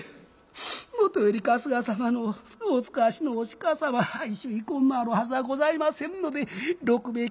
「もとより春日様のお遣わしのお鹿様意趣遺恨のあるはずはございませんので六兵衛